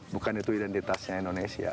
bukan itu identitasnya indonesia